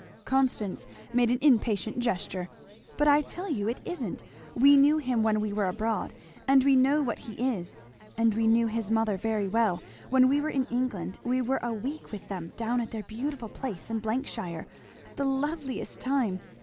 Constance made an impatient gesture. "But I tell you it isn't! We knew him when we were abroad, and we know what he is, and we know his mother very well. When we were in England we were a week with them down at their beautiful place in shire, the loveliest time!